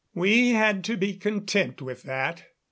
We had to be content with that.